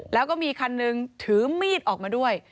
แล้วก็มีคันหนึ่งถือมีดออกมาด้วย